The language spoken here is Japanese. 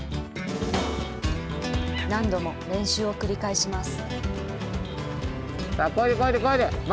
何度も練習を繰り返します。